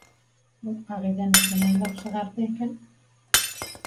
Был ҡағиҙәне кем уйлап сығарҙы икән?